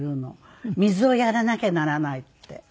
「水をやらなきゃならない」って。